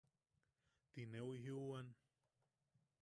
Ti neu jijiuwan: